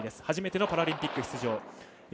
初めてのパラリンピック出場。